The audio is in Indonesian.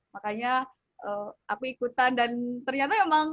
makanya aku ikutan dan ternyata emang seru banget